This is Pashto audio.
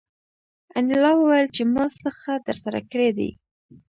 انیلا وویل چې ما څه ښه درسره کړي دي